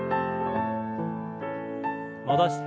戻して。